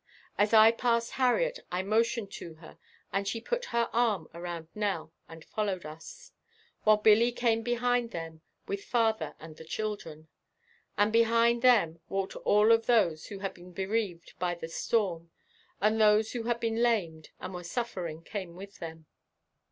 As I passed Harriet I motioned to her and she put her arm around Nell and followed us, while Billy came behind them with father and the children. And behind them walked all of those who had been bereaved by the storm, and those who had been lamed and were suffering came with them.